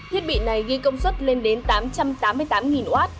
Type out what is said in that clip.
thiết bị này ghi công suất lên đến tám trăm tám mươi tám w